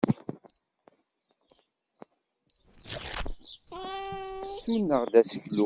Tessuneɣ-d aseklu.